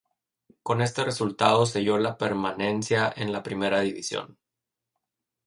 Con este resultado selló la permanencia en la Primera División.